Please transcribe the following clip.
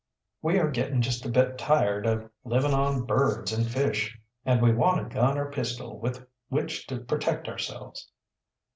"We are getting just a bit tired of living on birds and fish. And we want a gun or a pistol with which to protect ourselves."